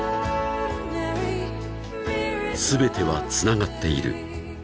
［全てはつながっている］